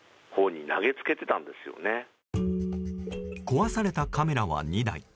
壊されたカメラは２台。